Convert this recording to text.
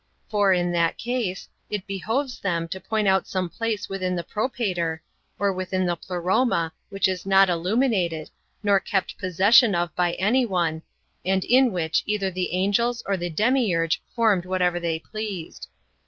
For, in that case, it behoves them to point out some place within the Propator, or within the Pleroma, which is not illuminated, nor kept possession of by any one, and in which either the angels or the Demiurge formed whatever they pleased.